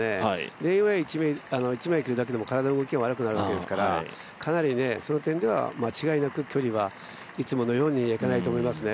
レインウエア１枚着るだけでも体の動きが悪くなるわけですから、かなりその点では間違いなく距離はいつものようにはいかないと思いますね。